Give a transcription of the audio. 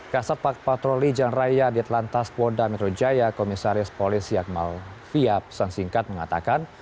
kasa patroli janraya di atlantas pondamitrojaya komisaris polisi akmal fiat pesan singkat mengatakan